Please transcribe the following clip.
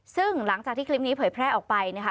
ซึ่งหลังจากที่คลิปนี้เผยแพร่ออกไปนะคะ